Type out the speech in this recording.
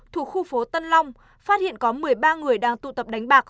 thuộc khu phố tân long phát hiện có một mươi ba người đang tụ tập đánh bạc